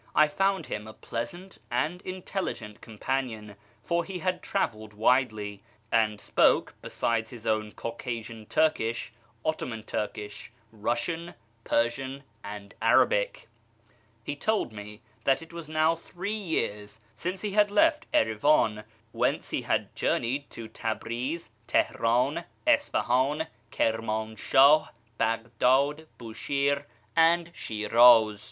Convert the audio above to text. I found him a pleasant and intelligent companion, for he had travelled widely, and spoke, besides his own Caucasian Turkish, Ottoman Turkish, Russian, Persian, and Arabic. He told me that it was now three years since he had left Erivan, whence he had journeyed to Tabriz, Teheran, Isfahan, Kirmanshah, Baghdad, Bushire, and Shiraz.